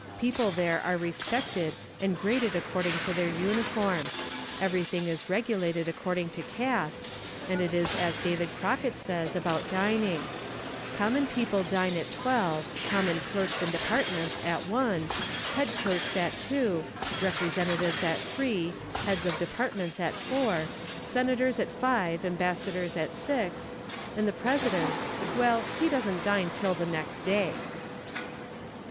People there are respected and graded according to their uniform; everything is regulated according to caste, and it is as David Crocket says about dining: common people dine at twelve, common clerks in departments at one, head clerks at two, representatives at three, heads of departments at four, senators at five, ambassadors at six, and the President well, he doesn't dine till the next day.